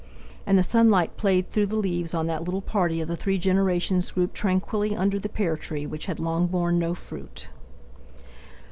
And the sunlight played through the leaves on that little party of the three generations grouped tranquilly under the pear tree, which had long borne no fruit.